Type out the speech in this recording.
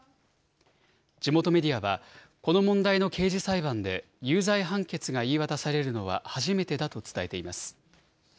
地元メディアは、この問題の刑事裁判で有罪判決が言い渡されるのは初めてだと伝えています。